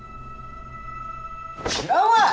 知らんわ！